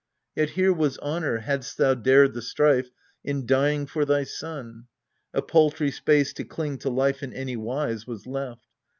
Yet here was honour, hadst thou dared the strife, In dying for thy son. A paltry space To cling to life in any wise was left.